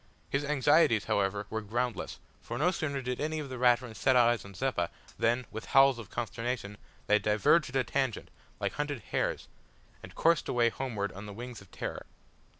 His anxieties, however, were groundless, for no sooner did any of the Raturans set eyes on Zeppa, than, with howls of consternation, they diverged at a tangent like hunted hares, and coursed away homeward on the wings of terror.